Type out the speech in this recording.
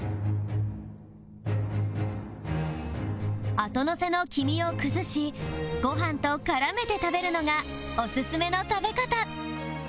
あとのせの黄身を崩しご飯と絡めて食べるのがおすすめの食べ方